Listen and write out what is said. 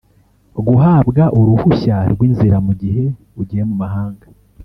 Guhabwa uruhushya rw’ inzira mugihe ugiye mumahanga